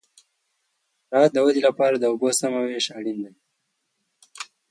د زراعت د ودې لپاره د اوبو سمه وېش اړین دی.